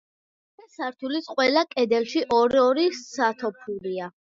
მეორე სართულის ყველა კედელში ორ-ორი სათოფურია.